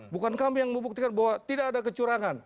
bukan kami yang membuktikan bahwa tidak ada kecurangan